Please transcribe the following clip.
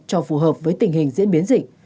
cho phù hợp với tình hình diễn biến dịch